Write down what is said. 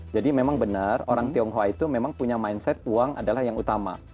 jadi memang benar orang tionghoa itu memang punya mindset uang adalah yang utama